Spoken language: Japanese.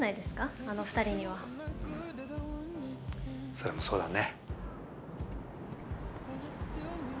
それもそうだね。